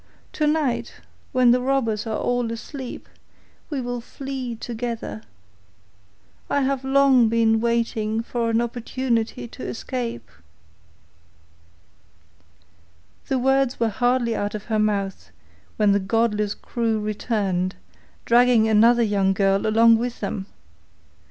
Tonight, when the robbers are all asleep, we will flee together. I have long been waiting for an opportunity to escape.' The words were hardly out of her mouth when the godless crew returned, dragging another young girl along with them.